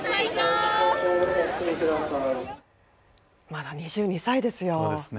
まだ２２歳ですよ。